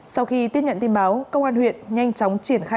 sau khi tiếp nhận tin báo công an huyện nhanh chóng triển khai